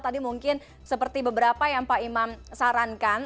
tadi mungkin seperti beberapa yang pak imam sarankan